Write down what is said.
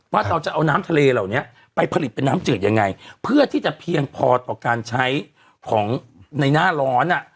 ว่าเราจะเอาน้ำทะเลเหล่านี้ไปผลิตเป็นน้ำจืดยังไงเพื่อที่จะเพียงพอต่อการใช้ของในหน้าร้อนอ่ะ